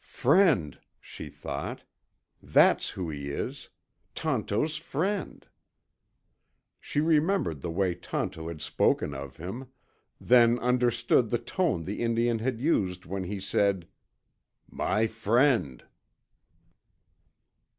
"Friend," she thought. "That's who he is. Tonto's friend." She remembered the way Tonto had spoken of him, then understood the tone the Indian had used when he said, "My friend."